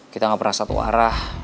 kita gak pernah satu arah